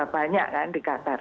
banyak kan di qatar